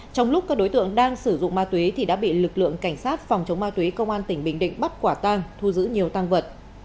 trong lúc các đối tượng đang sử dụng ma túy thì đã bị lực lượng cảnh sát phòng chống ma túy công an tỉnh bình định bắt quả tang thu giữ nhiều tăng vật